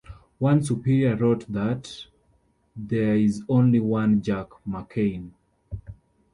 One superior wrote that: There is only one Jack McCain!